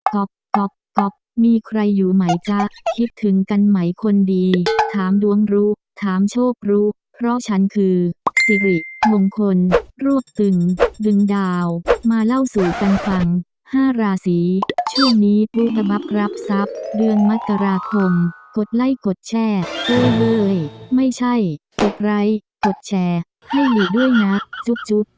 ก๊อกก๊อกมีใครอยู่ไหมจ๊ะคิดถึงกันไหมคนดีถามดวงรู้ถามโชครู้เพราะฉันคือสิริมงคลรวบตึงดึงดาวมาเล่าสู่กันฟัง๕ราศีช่วงนี้ผู้กระมับรับทรัพย์เดือนมกราคมกดไลค์กดแชร์เจอเลยไม่ใช่กดไร้กดแชร์ให้หลีด้วยนะจุ๊บ